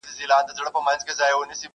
چي دا عرض به مي څوک یوسي تر سلطانه؛